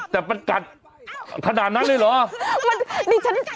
แต่มันกัดขนาดนั้นเลยเหรอ